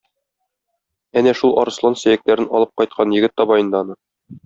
Әнә шул арыслан сөякләрен алып кайткан егет таба инде аны.